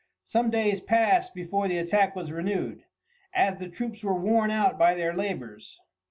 Some days passed before the attack was renewed, as the troops were worn out by their labours.